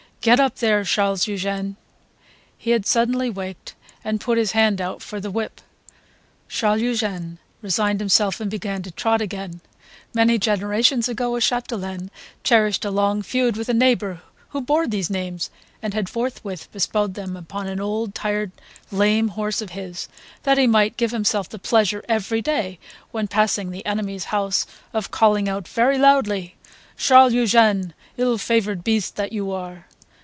"Get up there, Charles Eugene!" He had suddenly waked and put his hand out for the whip. Charles Eugene resigned himself and began to trot again. Many generations ago a Chapdelaine cherished a long feud with a neighbour who bore these names, and had forthwith bestowed them upon an old, tired, lame horse of his, that he might give himself the pleasure every day when passing the enemy's house of calling out very loudly: "Charles Eugene, ill favoured beast that you are!